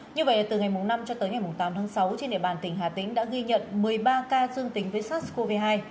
như vậy từ ngày năm cho tới ngày tám tháng sáu trên địa bàn tỉnh hà tĩnh đã ghi nhận một mươi ba ca dương tính với sars cov hai